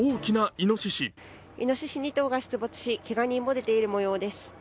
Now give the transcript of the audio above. いのしし２頭が出没し、けが人も出ているようです。